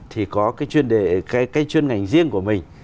thì có chuyên ngành riêng của mình